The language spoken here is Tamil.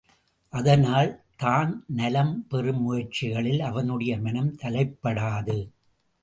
அதனால், தான் நலம் பெறும் முயற்சிகளில் அவனுடைய மனம் தலைப்படாது.